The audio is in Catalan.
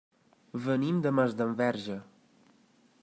Venim de Masdenverge.